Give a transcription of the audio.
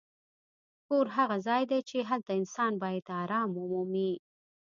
کور هغه ځای دی چې هلته انسان باید ارام ومومي.